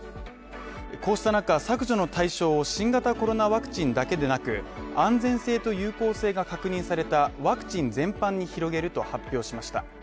こうしたなか削除の対象を新型コロナワクチンだけでなく、安全性と有効性が確認されたワクチン全般に広げると発表しました。